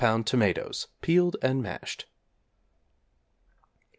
tomatoes (peeled and mashed).